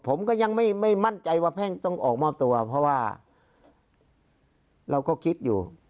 ผมก็ยังไม่มั่นใจว่าแพ่งต้องออกมอบตัวเพราะว่าเราก็คิดอยู่